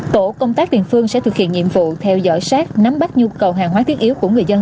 tổ công tác địa phương sẽ thực hiện nhiệm vụ theo dõi sát nắm bắt nhu cầu hàng hóa thiết yếu của người dân